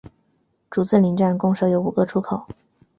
竹子林站共设有五个出口。